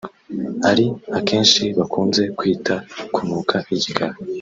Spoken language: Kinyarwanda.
ari akenshi bakunze kwita kunuka “Igikara”